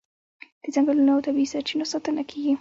د ځنګلونو او طبیعي سرچینو ساتنه کیږي.